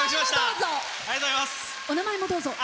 お名前をどうぞ。